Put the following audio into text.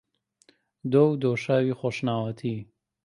دۆ و دۆشاوی خۆشناوەتی